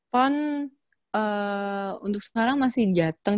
pon untuk sekarang masih jateng